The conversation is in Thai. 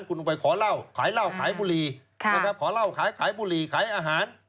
คุณไปขอเหล้าขายเหล้าขายบุหรี่นะครับขอเหล้าขายขายบุหรี่ขายอาหาร